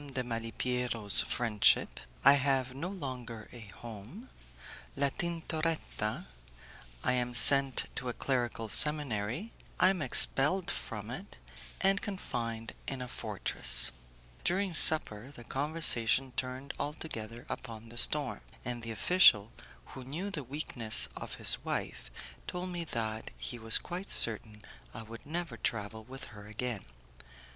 de Malipiero's Friendship I Have No Longer a Home La Tintoretta I Am Sent to a Clerical Seminary I Am Expelled From It, and Confined in a Fortress During supper the conversation turned altogether upon the storm, and the official, who knew the weakness of his wife, told me that he was quite certain I would never travel with her again.